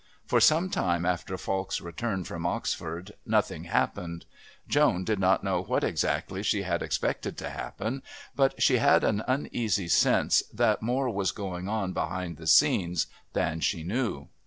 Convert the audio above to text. For some time after Falk's return from Oxford nothing happened. Joan did not know what exactly she had expected to happen, but she had an uneasy sense that more was going on behind the scenes than she knew.